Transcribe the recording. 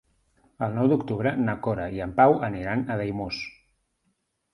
El nou d'octubre na Cora i en Pau aniran a Daimús.